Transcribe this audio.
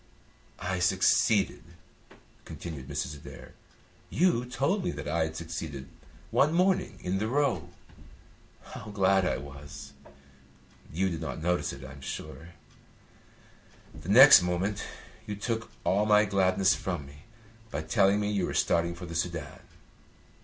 "I succeeded," continued Mrs. Adair. "You told me that I had succeeded one morning in the Row. How glad I was! You did not notice it, I am sure. The next moment you took all my gladness from me by telling me you were starting for the Soudan.